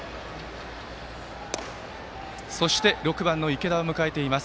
そして６番、池田を迎えています。